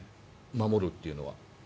守るというのは？